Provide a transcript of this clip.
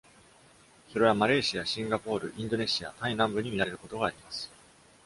それはマレーシア、シンガポール、インドネシア、タイ南部に見られることがあります。